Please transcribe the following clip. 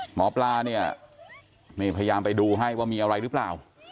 หมอปลาพยายามไปดูให้ว่ามีอะไรรึเปล่า